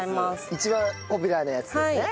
一番ポピュラーなやつですね。